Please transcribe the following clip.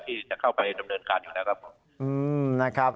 ที่จะเข้าไปดำเนินการอยู่แล้วครับ